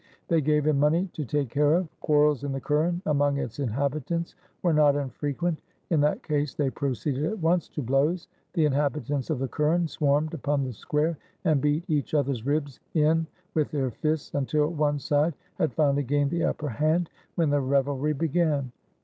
They gave him money to take care of. Quarrels in the kuren among its inhabitants were not infrequent; in that case they proceeded at once to blows. The inhabitants of the kuren swarmed upon the square, and beat each other's ribs in with their fists, until one side had finally gained the upper hand, when the revelry began.